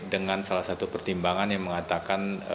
dengan salah satu pertimbangan yang mengatakan